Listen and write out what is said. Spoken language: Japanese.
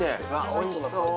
おいしそう！